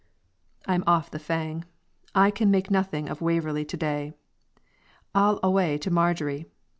I am off the fang. I can make nothing of 'Waverley' to day; I'll awa' to Marjorie.